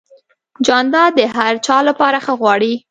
جانداد د هر چا لپاره ښه غواړي.